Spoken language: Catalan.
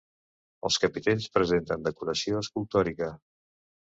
Els capitells presenten decoració escultòrica.